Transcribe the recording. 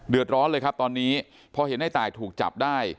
ร้อนเลยครับตอนนี้พอเห็นในตายถูกจับได้